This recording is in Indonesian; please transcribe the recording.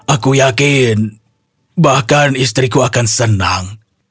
aku yakin bahkan istriku akan senang